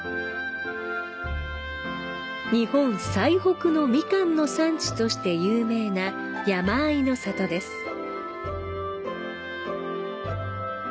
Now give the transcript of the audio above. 日本最北のみかんの産地として有名な山あいの里です。